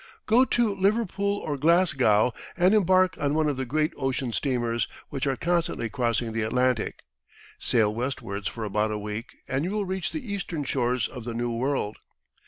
Go to Liverpool or Glasgow, and embark on one of the great ocean steamers, which are constantly crossing the Atlantic. Sail westwards for about a week, and you will reach the eastern shores of the New World.